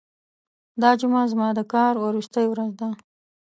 دا جمعه زما د کار وروستۍ ورځ ده.